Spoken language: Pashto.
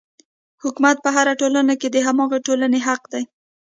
حکومت په هره ټولنه کې د هماغې ټولنې حق دی.